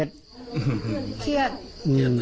วกอสแคบั่นด้วยหลานใดที่ปีนเดียวกว่า